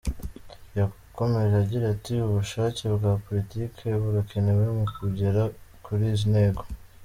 Yakomeje agira ati “Ubushake bwa politiki burakenewe mu kugera kuri izi ntego.